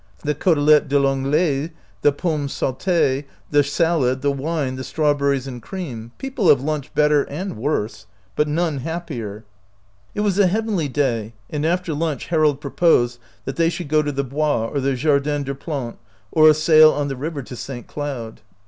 The cotelette a P An glais, the potnmes saute, the salad, the wine, the strawberries and cream — people have lunched better and worse, but none happier. It was a heavenly day, and after lunch Harold proposed that they should go to the Bois or the Jardin des Plantes, or a sail on the river to St. Cloud.